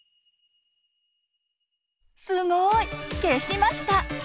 すごい！消しました。